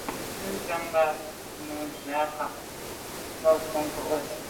Bú tɛ̌n tsjə́ŋ ŋgà sɔ̀ŋ mùcúà zə̄ à'cák câk bwɔ́ŋkə́ʼ wàsìbítà.